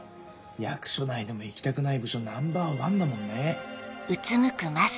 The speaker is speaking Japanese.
役所内でも行きたくない部署ナンバーワンだもんね。